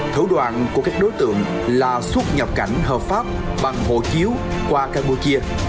thấu đoạn của các đối tượng là xuất nhập cảnh hợp pháp bằng hộ chiếu qua campuchia